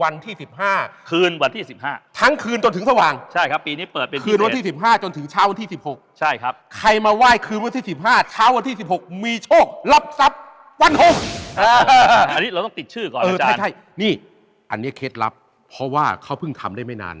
อันนี้เคล็ดลับเพราะว่าเค้าเพิ่งทำได้ไม่นาน